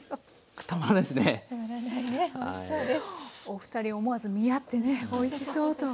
お二人思わず見合ってね「おいしそう」と。